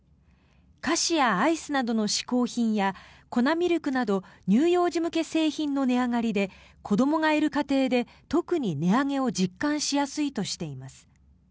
菓子やアイスなどの嗜好品や粉ミルクなど乳幼児向け製品の値上がりで子どもがいる家庭で特に値上げを実感しやすいとしています。